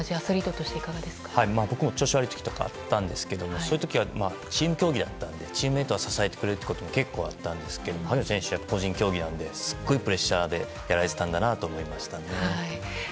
僕も調子悪い時とかあったんですけどそういう時はチーム競技だったのでチームメートが支えてくれることも結構あったんですけど萩野選手は個人競技なのですごいプレッシャーでやられてたんだと思います。